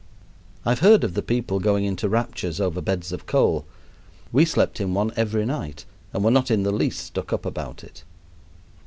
I've heard of the people going into raptures over beds of coal. We slept in one every night and were not in the least stuck up about it.